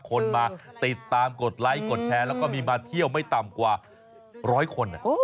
คนมาติดตามกดไลค์กดแชร์แล้วก็มีมาเที่ยวไม่ต่ำกว่าร้อยคน